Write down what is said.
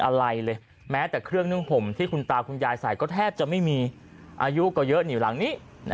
อะไรเลยแม้แต่เครื่องนึ่งห่มที่คุณตาคุณยายใส่ก็แทบจะไม่มีอายุก็เยอะอยู่หลังนี้